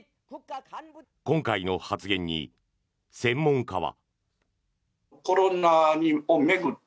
今回の発言に、専門家は。